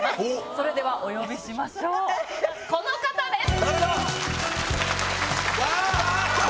それではお呼びしましょうこの方です！